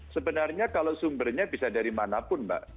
sebenarnya kalau sumbernya bisa dari manapun mbak